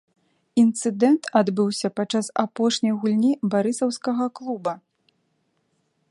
Інцыдэнт адбыўся падчас апошняй гульні барысаўскага клуба.